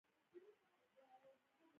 د نورو لپاره ځان ګټه رسوونکی وګرځوي.